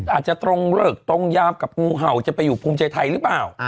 อาจจะตรงเลิกตรงยามกับงูเห่าจะไปอยู่ภูมิใจไทยหรือเปล่า